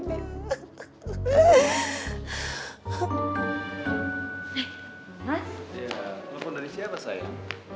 telepon dari siapa sayang